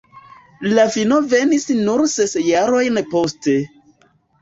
La fino venis nur ses jarojn poste.